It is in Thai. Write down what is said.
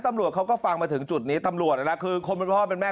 ตำรวจเขาก็ฟังมาถึงจุดนี้ตำรวจนะนะคือคนเป็นพ่อเป็นแม่